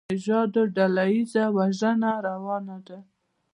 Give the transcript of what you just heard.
هلته د روس نژادو ډله ایزه وژنه روانه ده.